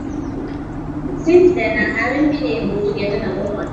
Since then I haven't been able to get another one.